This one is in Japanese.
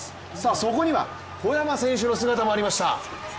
そこには小山選手の姿もありました。